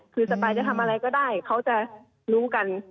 คือสปายจะทำอะไรก็ได้เขาจะรู้กัน